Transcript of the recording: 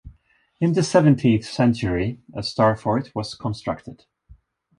In the seventeenth century, a star fort was constructed.